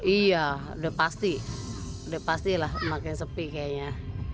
iya udah pasti udah pastilah makin sepi kayaknya